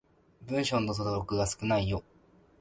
文章の登録が少ないよ。